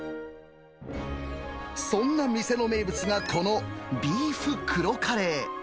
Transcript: そんな店の名物がこのビーフ黒カレー。